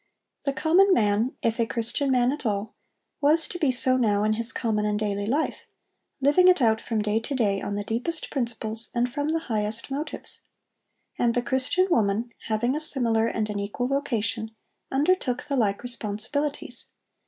The common man, if a Christian man at all, was to be so now in his common and daily life, living it out from day to day on the deepest principles and from the highest motives. And the Christian woman, having a similar and an equal vocation, undertook the like responsibilities.